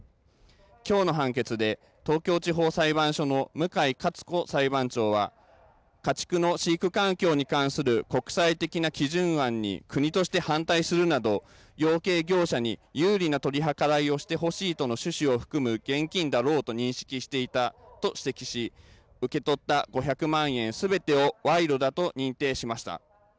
きょうの判決で東京地方裁判所の向井香津子裁判長は家畜の飼育環境に関する国際的な基準案に国として反対するなど養鶏業者に有利な取り計らいをしてほしいとの趣旨を含む現金だろうと認識していたと指摘し受け取った５００万円すべてを賄賂だと認定しました。